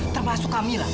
termasuk kami lah